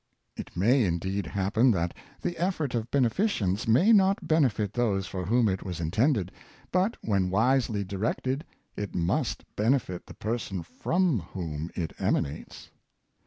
""^%"^" It may, indeed, happen that the effort of beneficience may not benefit those for whom it was intended; but when wisely directed it must benefit the person from whom it emanates."